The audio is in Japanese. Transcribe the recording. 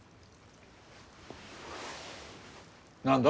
何だ？